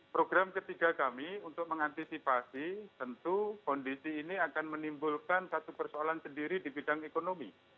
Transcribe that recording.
program ketiga kami untuk mengantisipasi tentu kondisi ini akan menimbulkan satu persoalan sendiri di bidang ekonomi